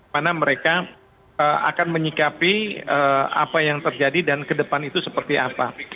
mana mereka akan menyikapi apa yang terjadi dan ke depan itu seperti apa